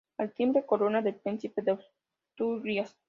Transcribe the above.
Al timbre corona del Príncipe de Asturias.